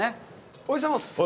おはようございます。